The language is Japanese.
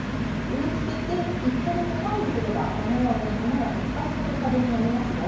植えつけて１か月半もすればこのように花がいっぱい咲く株になりますよ。